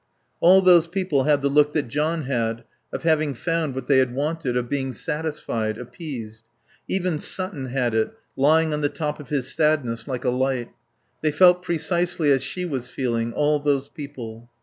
All those people had the look that John had, of having found what they had wanted, of being satisfied, appeased. Even Sutton had it, lying on the top of his sadness, like a light. They felt precisely as she was feeling all those people.